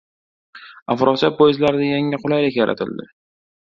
“Afrosiyob” poyezdlarida yangi qulaylik yaratildi